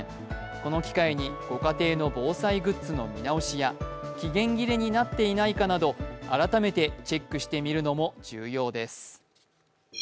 この機会にご家庭の防災グッズの見直しや期限切れになっていないかなど改めてチェックしてみるのも重要です。